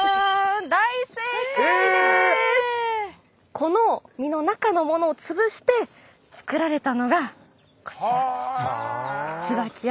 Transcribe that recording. この実の中のものを潰して作られたのがこちらつばき油。